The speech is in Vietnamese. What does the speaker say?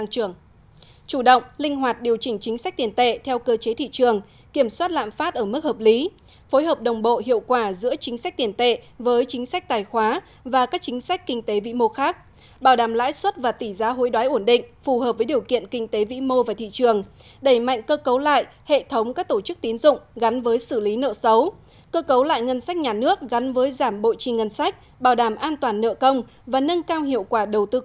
bốn chủ động linh hoạt điều chỉnh chính sách tiền tệ theo cơ chế thị trường kiểm soát lạm phát ở mức hợp lý phối hợp đồng bộ hiệu quả giữa chính sách tiền tệ với chính sách tài khoá và các chính sách kinh tế vĩ mô khác bảo đảm lãi suất và tỷ giá hối đoái ổn định phù hợp với điều kiện kinh tế vĩ mô và thị trường đẩy mạnh cơ cấu lại hệ thống các tổ chức tín dụng gắn với xử lý nợ xấu cơ cấu lại ngân sách nhà nước gắn với giảm bộ trì ngân sách bảo đảm an toàn nợ công và nâng ca